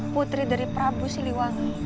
putri dari prabu siliwana